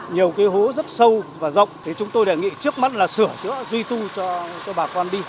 nhiều cái hố rất sâu và rộng thì chúng tôi đề nghị trước mắt là sửa chữa duy tu cho bà con đi